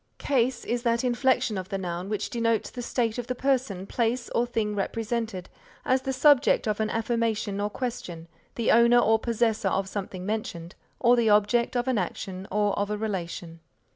Case is that inflection of the noun which denotes the state of the person, place or thing represented, as the subject of an affirmation or question, the owner or possessor of something mentioned, or the object of an action or of a relation.